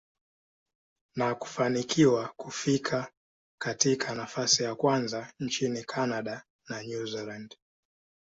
na kufanikiwa kufika katika nafasi ya kwanza nchini Canada na New Zealand.